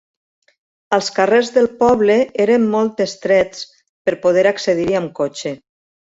Els carrers del poble eren molt estrets per poder accedir-hi amb cotxe.